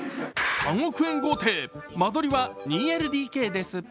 ３億円豪邸、間取りは２ＬＤＫです。